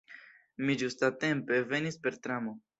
Mi ĝustatempe venis per tramo.